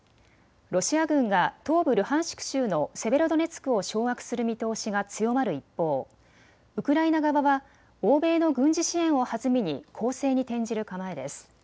ロシア軍が東部ルハンシク州のセベロドネツクを掌握する見通しが強まる一方、ウクライナ側は欧米の軍事支援を弾みに攻勢に転じる構えです。